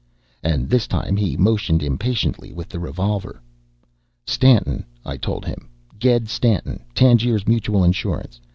And this time he motioned impatiently with the revolver. "Stanton," I told him. "Ged Stanton, Tangiers Mutual Insurance.